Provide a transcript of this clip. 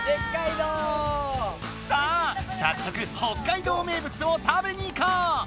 さあさっそく北海道名物を食べに行こう！